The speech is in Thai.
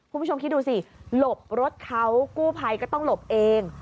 คุณผู้ชมคิดดูสิหลบรถเขากู้ภัยก็ต้องหลบเอง